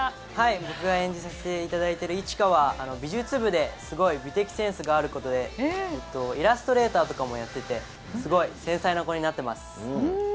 僕が演じさせていただいている一嘉は美術部で美的センスがある子でイラストレーターとかもやっててすごい繊細な子になっています。